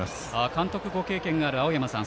監督ご経験がある青山さん